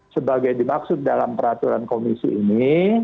sebagai dimaksud dalam peraturan komisi ini